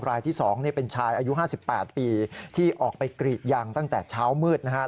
รายที่๒เป็นชายอายุ๕๘ปีที่ออกไปกรีดยางตั้งแต่เช้ามืดนะครับ